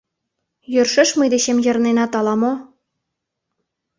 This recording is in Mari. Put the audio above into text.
Йӧршеш мый дечем йырненат ала-мо?